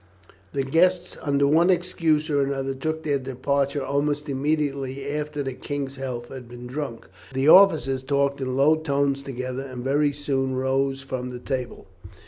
The guests, under one excuse or another, took their departure almost immediately after the king's health had been drunk; the officers talked in low tones together, and very soon rose from the table.